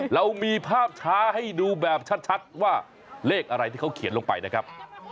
เรามีภาพช้าให้ดูแบบชัดว่าเลขอะไรที่เขาเขียนลงไปนะครับ